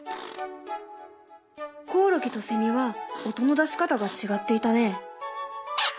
コオロギとセミは音の出し方が違っていたね。